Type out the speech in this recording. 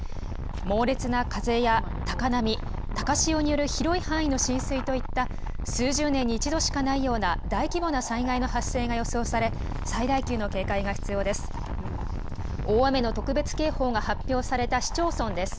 猛烈な風や高波、高潮による広い範囲の浸水といった、数十年に一度しかないような大規模な災害の発生が予想され、最大級の警戒が必要です。